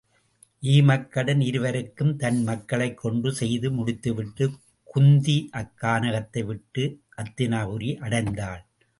ஈமக்கடன் இருவருக்கும் தன் மக்களைக் கொண்டு செய்து முடித்துவிட்டுக் குந்தி அக்கானகத்தை விட்டு அத் தினாபுரி அடைந்தாள்.